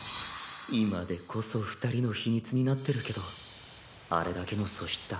今でこそ二人の秘密になってるけどあれだけの素質だ。